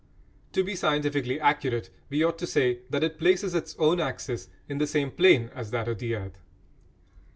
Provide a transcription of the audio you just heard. To be scientifically accurate, we ought to say that it places it own axis "in the same plane" as that of the earth.